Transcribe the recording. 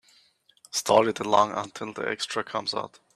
Stall it along until the extra comes out.